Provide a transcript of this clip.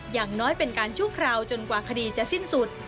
อย่างน้อยเป็นการชั่วคราวจนกว่าคดีจะสิ้นสุด